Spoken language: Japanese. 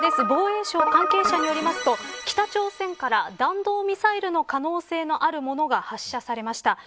防衛省関係者によりますと北朝鮮から弾道ミサイルの可能性のあるものが発射されました。